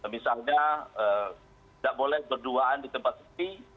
misalnya tidak boleh berduaan di tempat sepi